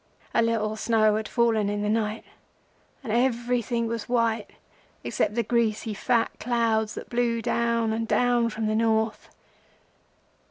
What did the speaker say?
"A little snow had fallen in the night, and everything was white except the greasy fat clouds that blew down and down from the north.